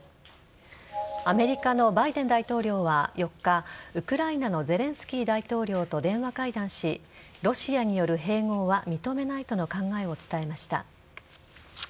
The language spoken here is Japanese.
アメリカのバイデン大統領は４日ウクライナのゼレンスキー大統領と電話会談しロシアによる併合は認めないとの考えを伝えました。